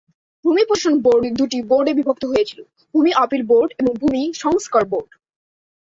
ভূমি প্রশাসন বোর্ড দুটি বোর্ডে বিভক্ত হয়েছিল, ভূমি আপিল বোর্ড এবং ভূমি সংস্কার বোর্ড।